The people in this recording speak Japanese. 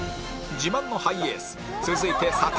自慢のハイエース続いて佐田